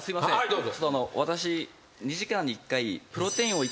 どうぞ。